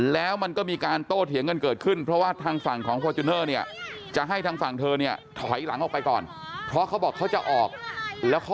ด้านหน้ามันใกล้เกินไปใช่ไหมฮะใช่